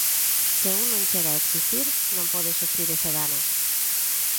Se un non chega a existir non pode sufrir ese dano.